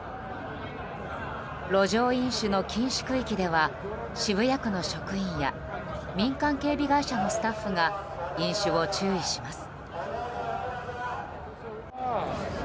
路上飲酒の禁止区域では渋谷区の職員や民間警備会社のスタッフが飲酒を注意します。